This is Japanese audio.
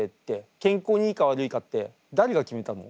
健康にいいか悪いかって誰が決めたの？